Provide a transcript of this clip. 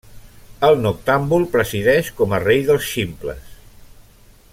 El Noctàmbul presideix com a Rei dels Ximples.